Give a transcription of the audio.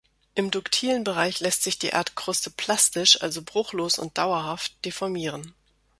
Im duktilen Bereich lässt sich die Erdkruste plastisch, also bruchlos und dauerhaft, deformieren.